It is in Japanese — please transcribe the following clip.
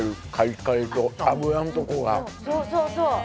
そうそうそう！